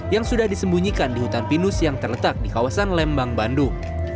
yang sudah disembunyikan di hutan pinus yang terletak di kawasan lembang bandung